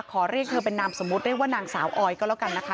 ขอเรียกเธอเป็นนามสมมุติเรียกว่านางสาวออยก็แล้วกันนะคะ